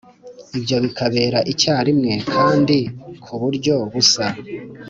ibyo bikabera icyarimwe kandi ku buryo busa.